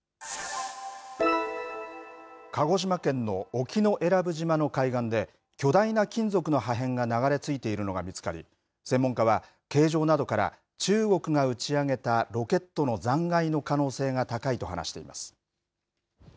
鹿児島県の沖永良部島の海岸で巨大な金属の破片が流れ着いているのが見つかり専門家は形状などから中国が打ち上げたロケットの残骸の可能性が高いと話しています。